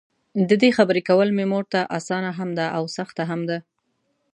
ددې خبري کول مې مورته؛ اسانه هم ده او سخته هم ده.